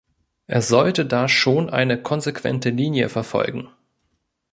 Er sollte da schon eine konsequente Linie verfolgen.